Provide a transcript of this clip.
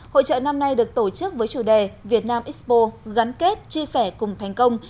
hội trợ năm nay được tổ chức với chủ đề việt nam expo gắn kết chia sẻ cùng thành công